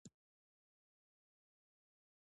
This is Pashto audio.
که خندا وکړو نو غم نه پاتې کیږي.